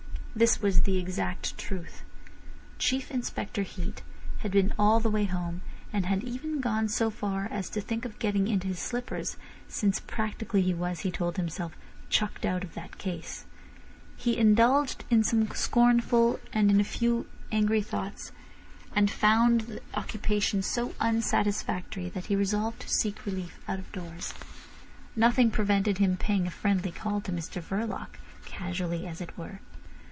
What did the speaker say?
This was the exact truth. Chief Inspector Heat had been all the way home, and had even gone so far as to think of getting into his slippers, since practically he was, he told himself, chucked out of that case. He indulged in some scornful and in a few angry thoughts, and found the occupation so unsatisfactory that he resolved to seek relief out of doors. Nothing prevented him paying a friendly call to Mr Verloc, casually as it were.